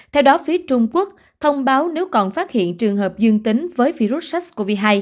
theo đó phía trung quốc thông báo nếu còn phát hiện trường hợp dương tính với virus sars cov hai